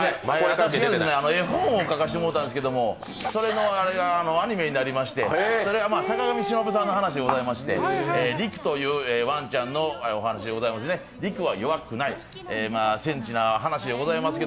私、絵本を描かせてもらったんですけど、それがアニメになりまして、坂上忍さんの話でございましてリクというわんちゃんのお話でございますね。